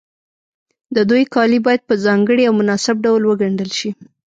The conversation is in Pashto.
د دوی کالي باید په ځانګړي او مناسب ډول وګنډل شي.